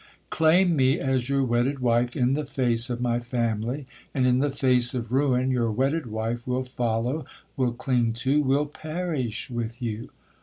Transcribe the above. Claim me as your wedded wife in the face of my family, and in the face of ruin your wedded wife will follow—will cling to—will perish with you!'